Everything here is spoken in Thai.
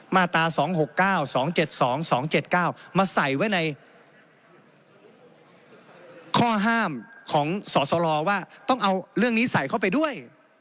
มาตรา๒๖๙๒๗๒๒๗๙มาใส่ไว้ในข้อห้ามของสสลว่าต้องเอาเรื่องนี้ใส่เข้าไปด้วย